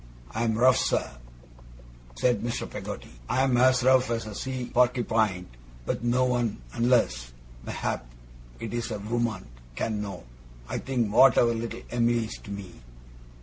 I am rough, sir,' said Mr. Peggotty, 'I am as rough as a Sea Porkypine; but no one, unless, mayhap, it is a woman, can know, I think, what our little Em'ly is to me.